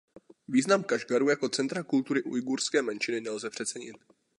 Význam Kašgaru jako centra kultury ujgurské menšiny nelze přecenit.